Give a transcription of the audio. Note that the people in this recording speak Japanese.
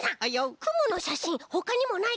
くものしゃしんほかにもないかなあ？